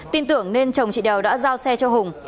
tin tưởng nên chồng chị đèo đã giao xe cho hùng